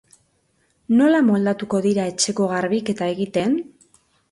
Nola moldatuko dira etxeko garbiketa egiten?